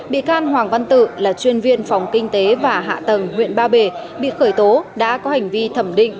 bị can hoàng văn tự là chuyên viên phòng kinh tế và hạ tầng huyện ba bể bị khởi tố đã có hành vi thẩm định